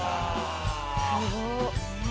すごっ。